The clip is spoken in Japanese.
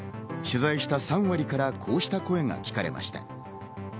取材した３割からこうした声が聞かれました。